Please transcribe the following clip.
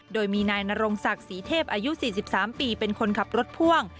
โดยมีนายนรงศักดิ์ศรีเทพอายุ๔๓ปีเป็นคนขับรถพ่วง